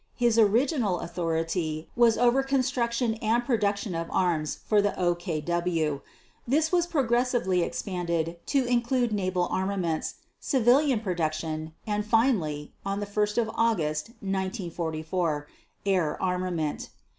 His original authority was over construction and production of arms for the OKW. This was progressively expanded to include naval armaments, civilian production and finally, on 1 August 1944, air armament.